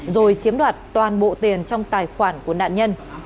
rồi chiếm đoạt toàn bộ tiền trong tài khoản của nạn nhân